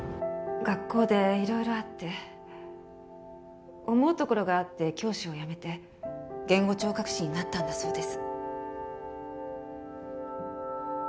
学校でいろいろあって思うところがあって教師を辞めて言語聴覚士になったんだそうです。